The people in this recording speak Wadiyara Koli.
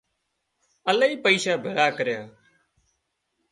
الاهي پئيشا ڀيۯا ڪريا